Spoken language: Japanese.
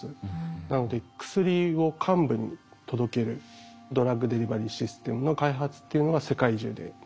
なので薬を患部に届けるドラッグデリバリーシステムの開発っていうのが世界中でなされています。